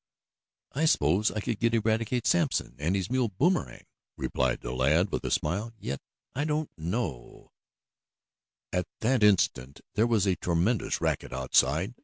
"I s'pose I could get Eradicate Sampson, and his mule Boomerang," replied the lad with a smile. "Yet I don't know " At that instant there was a tremendous racket outside.